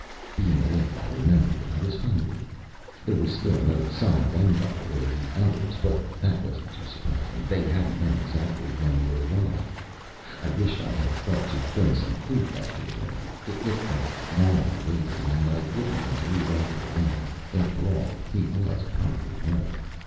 Being awake, I remembered that I was hungry. There was still no sign of Engdahl or the others, but that wasn't too surprising they hadn't known exactly when we would arrive. I wished I had thought to bring some food back to the room. It looked like long waiting and I wouldn't want to leave Arthur alone again after all, he was partly right.